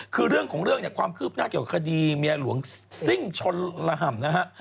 คือเรื่องของเรื่องเนี่ยความคืบหน้าเกี่ยวกับคดีเมียหลวงซิ่งชนระห่ำนะฮะ